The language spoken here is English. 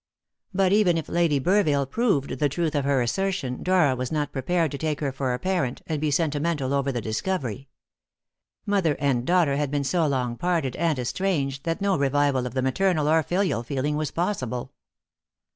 But even if Lady Burville proved the truth of her assertion, Dora was not prepared to take her for a parent, and be sentimental over the discovery. Mother and daughter had been so long parted and estranged, that no revival of the maternal or filial feeling was possible.